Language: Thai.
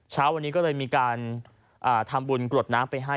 เช้าวันนี้ก็เลยมีการทำบุญกรวดน้ำไปให้